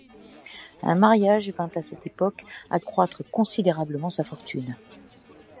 Un mariage vint à cette époque accroître considérablement sa fortune.